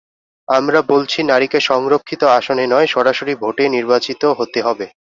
আমরা বলছি নারীকে সংরক্ষিত আসনে নয়, সরাসরি ভোটে নির্বাচিত হতে হবে।